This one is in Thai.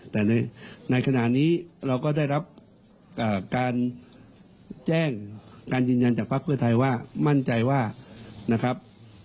แต่ในขณะนี้เราก็ได้รับการแจ้งการยืนยันจากภักดิ์เพื่อไทยว่ามั่นใจว่านะครับ